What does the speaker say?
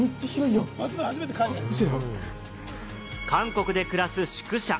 韓国で暮らす宿舎。